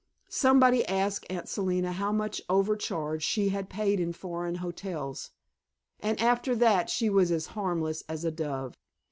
Somebody asked Aunt Selina how much over charge she had paid in foreign hotels, and after that she was as harmless as a dove.